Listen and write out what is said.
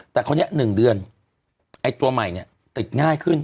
แต่คราวนี้๑เดือนไอ้ตัวใหม่เนี่ยติดง่ายขึ้น